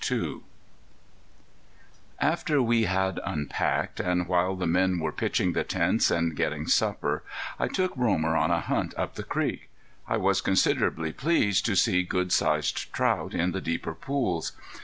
II After we had unpacked and while the men were pitching the tents and getting supper I took Romer on a hunt up the creek. I was considerably pleased to see good sized trout in the deeper pools.